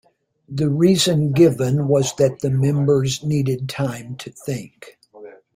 The reason given was that the members needed time to think.